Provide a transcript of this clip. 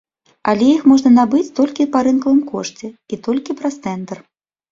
Але іх можна набыць толькі па рынкавым кошце і толькі праз тэндэр.